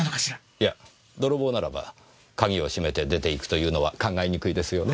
いや泥棒ならば鍵を閉めて出て行くというのは考えにくいですよね？